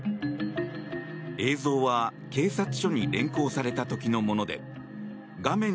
映像は警察署に連行された時のもので画面